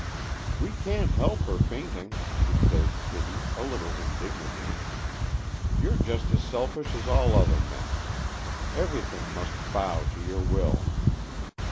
"We can't help her fainting," declared Kitty, a little indignantly. "You're just as selfish as all other men. Everything must bow to your will."